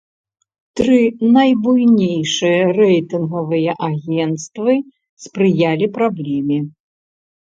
Тры найбуйнейшыя рэйтынгавыя агенцтвы спрыялі праблеме.